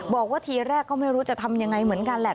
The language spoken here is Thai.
บอกว่าทีแรกก็ไม่รู้จะทำยังไงเหมือนกันแหละ